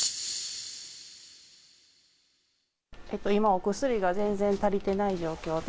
今、お薬が全然足りてない状況で。